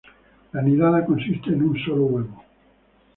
La nidada consiste en un sólo huevo.